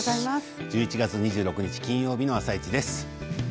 １１月２６日金曜日の「あさイチ」です。